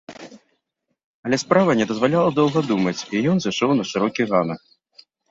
Але справа не дазваляла доўга думаць, і ён узышоў на шырокі ганак.